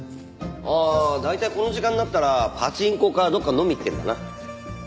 ああ大体この時間になったらパチンコかどっか飲み行ってるかな。